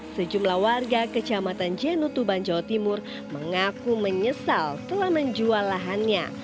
sejumlah warga kecamatan jenutuban jawa timur mengaku menyesal telah menjual lahannya